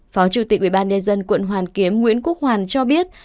phó chủ tịch ubnd quận hoàn kiếm nguyễn quốc hoàn cho biết